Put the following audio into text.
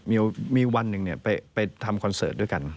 มีวันหนึ่งไปทำคอนเสิร์ตด้วยกัน